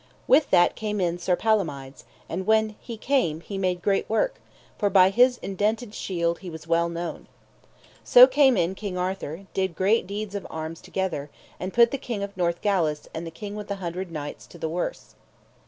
With that came in Sir Palomides, and when he came he made great work, for by his indented shield he was well known. So came in King Arthur, and did great deeds of arms together, and put the King of Northgalis and the King with the Hundred Knights to the worse.